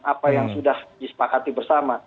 apa yang sudah disepakati bersama